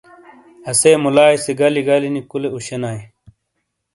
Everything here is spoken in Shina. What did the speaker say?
اسے مولائی سے گلی گلی نی کولے اوشے نائی